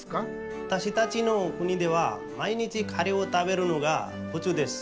わたしたちの国では毎日カレーを食べるのがふつうです。